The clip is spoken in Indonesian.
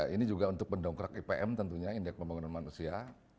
ini juga untuk mendongkrak ipm tentunya indeks pembangunan manusia